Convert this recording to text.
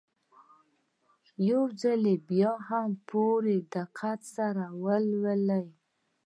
يو ځل بيا يې په پوره دقت سره ولولئ.